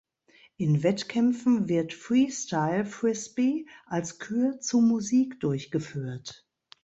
In Wettkämpfen wird Freestyle Frisbee als Kür zu Musik durchgeführt.